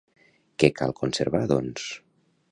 Què cal conservar, doncs?